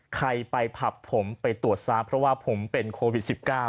ใครไปผับผมไปตรวจซะเพราะว่าผมเป็นโควิด๑๙